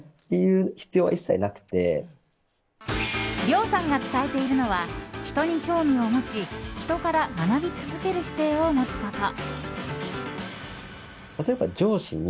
リョウさんが伝えているのは人に興味を持ち人から学び続ける姿勢を持つこと。